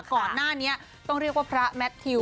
ก่อนหน้านี้ต้องเรียกว่าพระแมททิว